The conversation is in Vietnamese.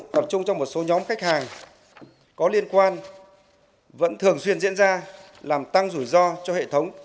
và một số nhóm khách hàng có liên quan vẫn thường xuyên diễn ra làm tăng rủi ro cho hệ thống